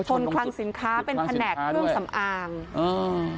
คลังสินค้าเป็นแผนกเครื่องสำอางอืม